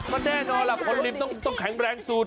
ก็แน่นอนล่ะคนริมต้องแข็งแรงสุด